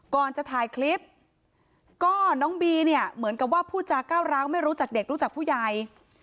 ก่อนจะถ่ายคลิปก็น้องบีเนี่ยเหมือนกับว่าพูดจาก้าวร้าวไม่รู้จักเด็กรู้จักผู้ใหญ่